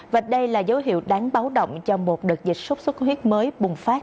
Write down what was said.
và đây là dấu hiệu đáng báo động cho một đợt dịch xuất xuất huyết mới bùng phát